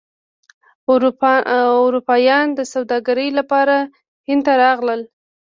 اروپایان د سوداګرۍ لپاره هند ته راغلل.